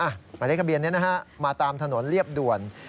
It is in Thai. หมายเลขทะเบียนนี้นะฮะมาตามถนนเรียบด่วน